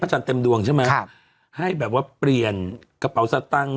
จันทร์เต็มดวงใช่ไหมครับให้แบบว่าเปลี่ยนกระเป๋าสตังค์